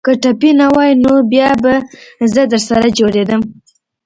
که ټپي نه واى نو بيا به زه درسره جوړېدم.